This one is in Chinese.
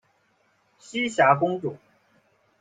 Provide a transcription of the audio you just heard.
栖霞公主。